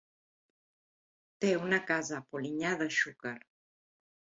Té una casa a Polinyà de Xúquer.